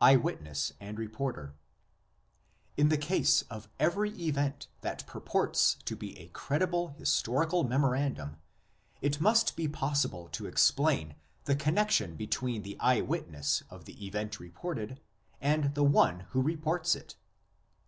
EYE ^YITNESS AND REPORTER. In the case of every event that purports to be a credible historical memorandum, it must be possible to explain the connexion between the eye witness of the event reported and the one who reports it.